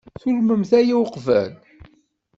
Turmemt aya uqbel?